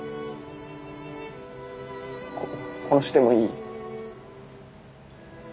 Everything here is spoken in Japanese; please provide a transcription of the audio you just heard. こ殺してもいい？